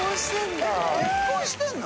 結婚してんだ。